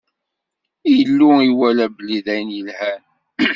Illu iwala belli d ayen yelhan.